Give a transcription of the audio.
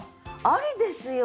ありですよ！